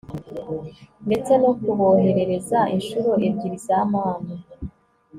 ndetse no kuboherereza incuro ebyiri za manu